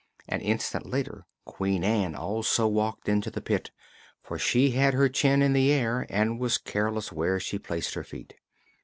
An instant later Queen Ann also walked into the pit, for she had her chin in the air and was careless where she placed her feet.